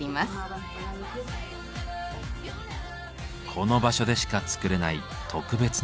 この場所でしか作れない特別なラグ。